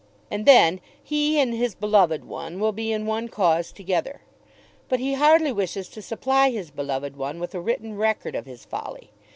And then he and his beloved one will be in one cause together. But he hardly wishes to supply his beloved one with a written record of his folly.